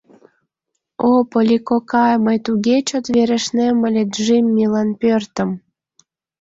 О, Полли кокай, мый туге чот верештнем ыле Джиммилан пӧртым.